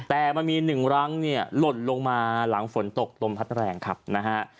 แต่มันมีหนึ่งรั้งเนี่ยหล่นลงมาหลังฝนตกลมพัดแรงครับนะฮะ